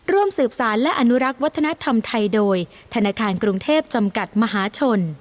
ร่วมสืบสารและอนุรักษ์วัฒนธรรมไทยโดยธนาคารกรุงเทพจำกัดมหาชน